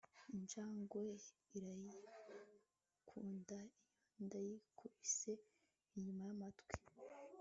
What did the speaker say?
Injangwe irayikunda iyo ndayikubise inyuma yamatwi